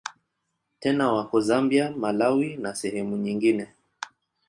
Tena wako Zambia, Malawi na sehemu nyingine.